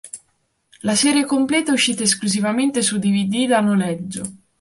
La serie completa è uscita esclusivamente su dvd da noleggio.